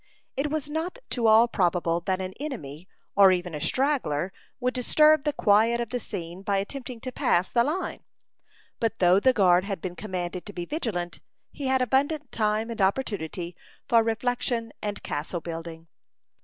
It was not to all probable that an enemy, or even a straggler, would disturb the quiet of the scene by attempting to pass the line; but though the guard had been commanded to be vigilant, he had abundant time and opportunity for reflection and castle building.